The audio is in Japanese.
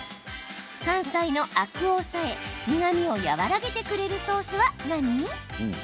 山菜のアクを抑え、苦みを和らげてくれるソースは何？